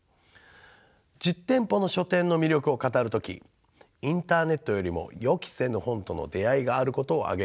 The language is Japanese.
実店舗の書店の魅力を語る時インターネットよりも予期せぬ本との出会いがあることを挙げる